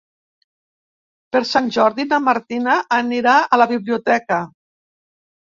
Per Sant Jordi na Martina anirà a la biblioteca.